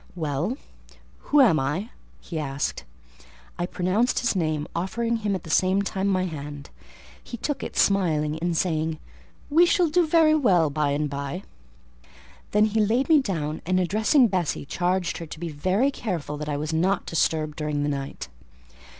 "Well, who am I?" he asked. I pronounced his name, offering him at the same time my hand: he took it, smiling and saying, "We shall do very well by and by." Then he laid me down, and addressing Bessie, charged her to be very careful that I was not disturbed during the night.